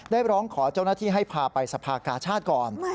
ร้องขอเจ้าหน้าที่ให้พาไปสภากาชาติก่อน